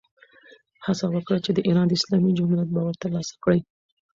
هغه هڅه وکړه، د ایران اسلامي جمهوریت باور ترلاسه کړي.